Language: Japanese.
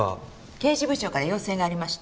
刑事部長から要請がありました。